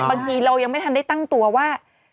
บางทีเรายังไม่ทันได้ตั้งตัวว่า